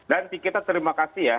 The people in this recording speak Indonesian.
dan kita terima kasih ya